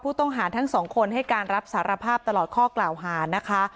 ต้องหาทั้งสองคนให้การรับสารภาพตลอดข้อกล่าวหานะคะ